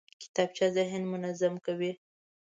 کتابچه ذهن منظم کوي